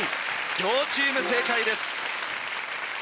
両チーム正解です。